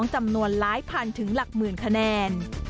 จำนวนหลายพันถึงหลักหมื่นคะแนน